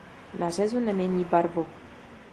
Na řezu nemění barvu.